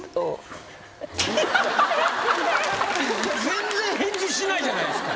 全然返事しないじゃないですか。